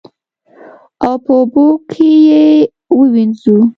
او په اوبو کې یې ووینځو.